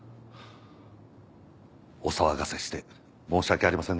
お騒がせして申し訳ありませんでした。